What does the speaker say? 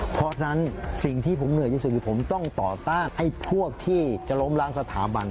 เพราะฉะนั้นสิ่งที่ผมเหนื่อยที่สุดคือผมต้องต่อต้านให้พวกที่จะล้มล้างสถาบัน